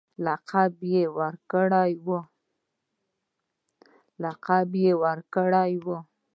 لقب ورکړی وو.